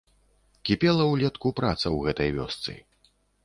Кіпела ўлетку праца ў гэтай вёсцы.